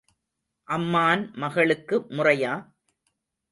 அம்மான் மகளுக்கு முறையா?